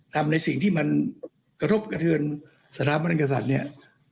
ทำในสิ่งที่มันกระทบกระเทือนสถาบันกษัตริย์เนี่ย